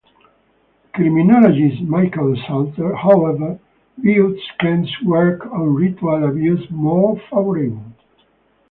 Criminologist Michael Salter, however, views Kent's work on ritual abuse more favorably.